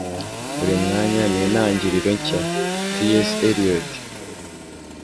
Buri mwanya ni intangiriro nshya.” —T.S. Eliot